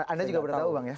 anda juga baru tahu bang ya